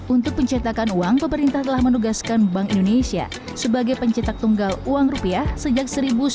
untuk pencetakan uang pemerintah telah menugaskan bank indonesia sebagai pencetak tunggal uang rupiah sejak seribu sembilan ratus sembilan puluh